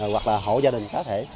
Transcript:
hoặc là hộ gia đình cá thể